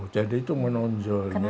jadi itu menonjolnya